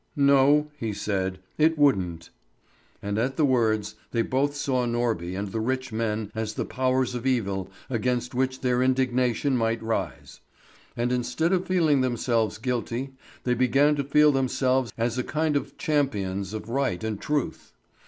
"No," he said, "it wouldn't." And at the words they both saw Norby and the rich men as the powers of evil against which their indignation might rise; and instead of feeling themselves guilty, they began to feel themselves as a kind of champions of right and truth.